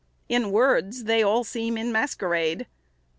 In words, they all seem in masquerade.